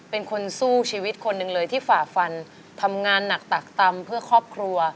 เป็นคนสู้ชีวิตคนหนึ่งเลยที่ฝ่าฟันทำงานหนักตักตำเพื่อครอบครัว